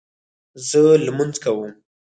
زه لمونځ کوم